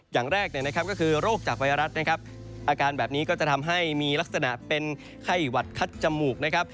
อย่างแรกก็คือโรคจากไวรัสนะครับอาการแบบนี้ก็จะทำให้มีลักษณะเป็นไข้หวัดคัดจมูกนะครับ